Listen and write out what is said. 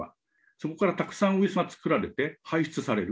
そこからたくさんウイルスが作られて排出される。